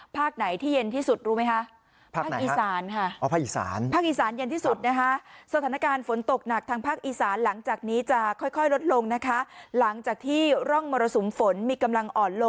ภาคไหนที่เย็นที่สุดรู้ไหมคะ